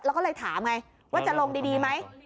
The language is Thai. แล้วก็เลยถามไงว่าจะลงดีไหม